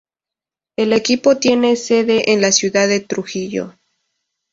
El equipo tiene sede en la ciudad de Trujillo.